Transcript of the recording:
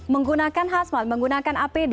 menggunakan hasmat menggunakan apd